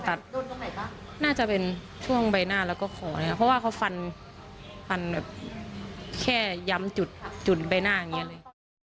แค่ย้ำจุดจุดใบหน้าจนอันได้๔๐อาทิตย์